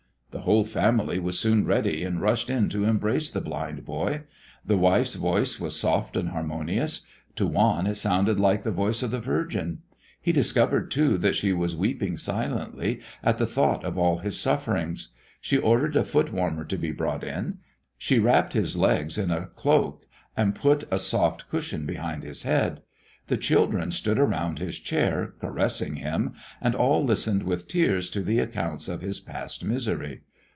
The whole family was soon ready, and rushed in to embrace the blind boy. The wife's voice was soft and harmonious. To Juan it sounded like the voice of the Virgin. He discovered, too, that she was weeping silently at the thought of all his sufferings. She ordered a foot warmer to be brought in. She wrapped his legs in a cloak and put a soft cushion behind his head. The children stood around his chair, caressing him, and all listened with tears to the accounts of his past misery.